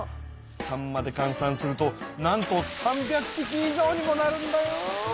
さんまでかん算するとなんと３００ぴき以上にもなるんだよ！